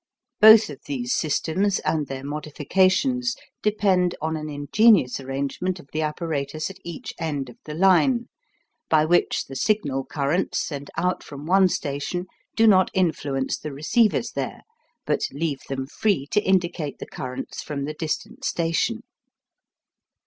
Both of these systems and their modifications depend on an ingenious arrangement of the apparatus at each end of the line, by which the signal currents sent out from one station do not influence the receivers there, but leave them free to indicate the currents from the distant station.